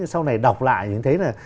sau này đọc lại thì thấy là